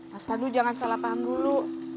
mas pandu jangan salah paham dulu